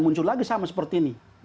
muncul lagi sama seperti ini